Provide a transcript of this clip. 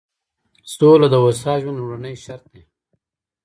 سوله د هوسا ژوند لومړنی شرط دی.